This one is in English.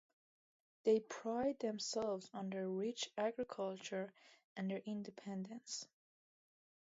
They pride themselves on their rich agriculture and their independence.